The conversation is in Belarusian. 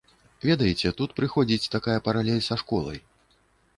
Ведаеце, тут прыходзіць такая паралель са школай.